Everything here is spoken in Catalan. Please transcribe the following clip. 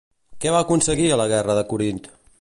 Què va aconseguir a la guerra de Corint?